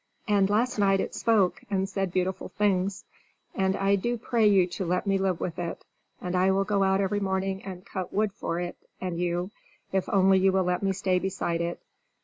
And last night it spoke and said beautiful things. And I do pray you to let me live with it, and I will go out every morning and cut wood for it and you, if only you will let me stay beside it.